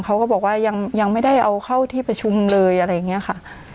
เขาก็บอกว่ายังไม่ได้เอาเข้าที่ประชุมเลยอะไรอย่างนี้ค่ะ